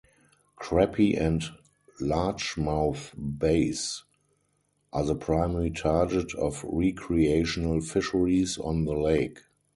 Crappie and Largemouth Bass are the primary target of recreational fisheries on the lake.